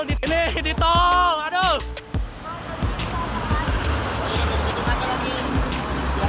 ini di tol aduh